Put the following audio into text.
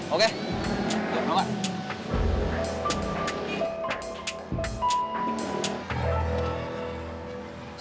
oke jawab banget